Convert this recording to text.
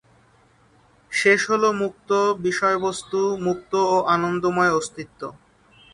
শেষ হল মুক্ত, বিষয়বস্তু, মুক্ত ও আনন্দময় অস্তিত্ব।